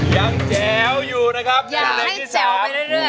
ยังแจ้วอยู่นะครับในที่สาม